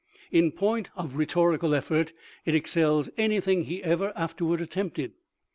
In point of rhetor ical effort it excels anything he ever afterward attempted.